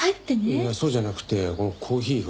いやそうじゃなくてこのコーヒーが。